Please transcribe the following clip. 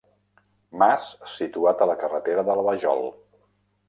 Mas situat a la carretera de la Vajol.